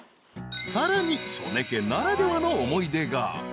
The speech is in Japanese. ［さらに曽根家ならではの思い出が］